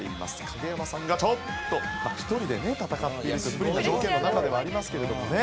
影山さんがちょっと１人でね戦っているという不利な条件の中ではありますけれどもね。